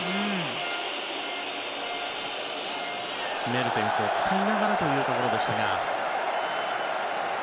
メルテンスを使いながらというところでしたが。